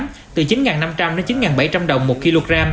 giá từ sáu năm trăm linh chín bảy trăm linh đồng một kg